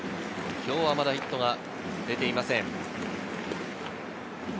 今日はまだヒットが出ていません。